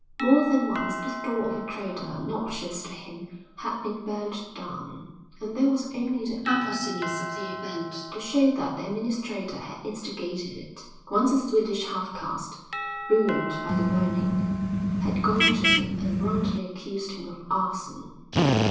More than once the store of a trader obnoxious to him had been burned down, and there was only the appositeness of the event to show that the administrator had instigated it. Once a Swedish half caste, ruined by the burning, had gone to him and roundly accused him of arson.